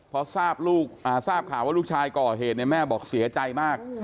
พอทราบข่าวว่าลูกชายก่อเหตุแม่บอกเสียใจมาก